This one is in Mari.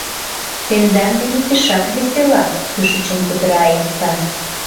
— Тендан дене пешак весела... — кӱшычын кутыра Айвика.